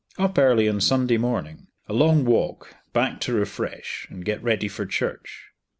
Up early on Sunday morning, a long walk, back to refresh, and get ready for church.